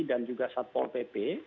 dan juga satpol pp